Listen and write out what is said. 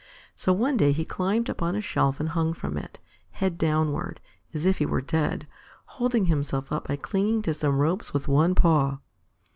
So one day he climbed up on a shelf and hung from it, head downward, as if he were dead, holding himself up by clinging to some ropes with one paw.